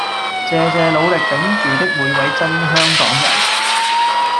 謝謝努力頂住的每位真香港人